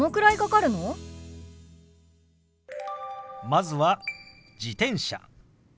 まずは「自転車」。